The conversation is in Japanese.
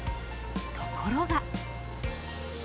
ところが。